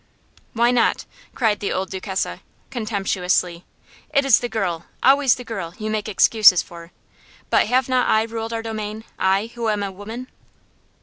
"Why not?" cried the old Duchessa, contemptuously. "It is the girl always the girl you make excuses for. But have I not ruled our domain I, who am a woman?"